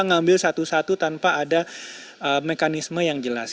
ngambil satu satu tanpa ada mekanisme yang jelas